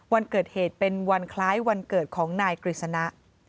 วันเกิดเหตุเป็นวันคล้ายวันเกิดของนายกฤษณะ